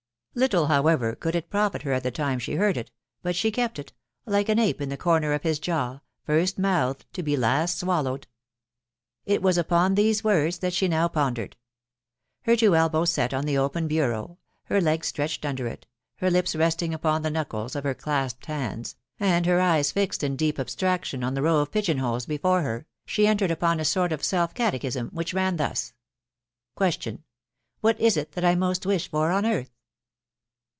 Little, however, could it profit her at the time she heard it ; but she kept it, "like an ape in the corner of his jaw, first mouthed, to be last swallowed." It was upon these words that she now pondered. Her two elbows set on the open bureau, her legs stretched under it, her lips resting upon the knuckles of her clasped hands, and her eyes fixed in deep abstraction on the row of pigeon holes be fore her, she entered upon a sort of self catechism, which ran thus: — Q, What is it that I most wish for on earth